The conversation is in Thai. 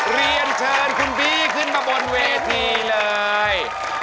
เรียนเชิญคุณพี่ขึ้นมาบนเวทีเลย